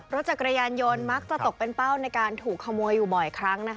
รถจักรยานยนต์มักจะตกเป็นเป้าในการถูกขโมยอยู่บ่อยครั้งนะคะ